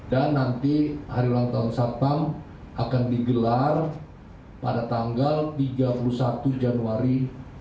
dan nanti hari ulang tahun satpam akan digelar pada tanggal tiga puluh satu januari dua ribu dua puluh dua